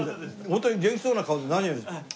ホントに元気そうな顔で何より。